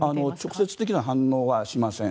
直接的な反応はしません